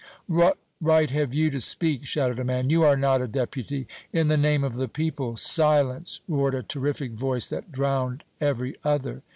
"What right have you to speak?" shouted a man. "You are not a deputy!" "In the name of the people, silence!" roared a terrific voice that drowned every other.